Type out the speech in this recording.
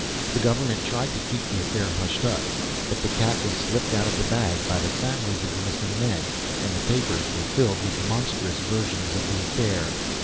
The government tried to keep the affair hushed up, but the cat was slipped out of the bag by the families of the missing men, and the papers were filled with monstrous versions of the affair.